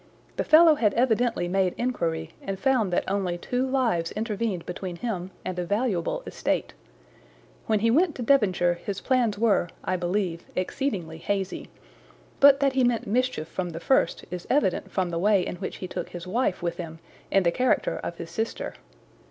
The fellow had evidently made inquiry and found that only two lives intervened between him and a valuable estate. When he went to Devonshire his plans were, I believe, exceedingly hazy, but that he meant mischief from the first is evident from the way in which he took his wife with him in the character of his sister.